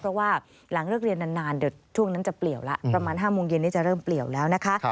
เพราะว่าหลังเลิกเรียนนานเดี๋ยวช่วงนั้นจะเปลี่ยวแล้วประมาณ๕โมงเย็นนี้จะเริ่มเปลี่ยวแล้วนะคะ